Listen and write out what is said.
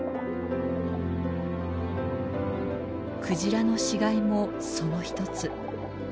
クジラの死骸もその一つ。